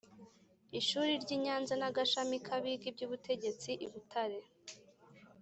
ishuri ry i Nyanza n agashami k abiga iby ubutegetsi i Butare